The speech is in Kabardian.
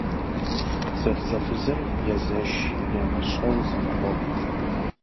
Зэлӏзэфызыр езэш ямыщӏэу зоныкъуэкъу.